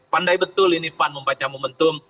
pandai betul ini pan membaca momentum